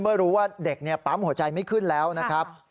เมื่อรู้ว่าเด็กปั๊มหัวใจไม่ขึ้นแล้วนะครับ